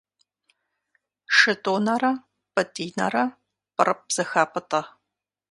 Шытӏунэрэ Пӏытӏинэрэ пӏырыпӏ зэхапӏытӏэ.